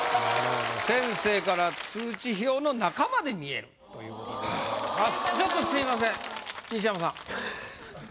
先生から「通知表の中まで見える！」ということでございます。